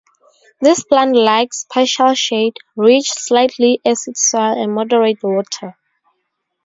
This plant likes partial shade, rich, slightly acid soil and moderate water.